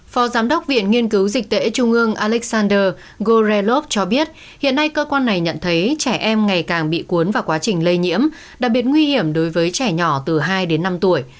phó giám đốc viện nghiên cứu dịch tễ trung ương alexander gorelov cho biết hiện nay cơ quan này nhận thấy trẻ em ngày càng bị cuốn vào quá trình lây nhiễm đặc biệt nguy hiểm đối với trẻ nhỏ từ hai đến năm tuổi